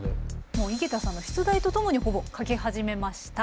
もう井桁さんの出題とともにほぼ書き始めました。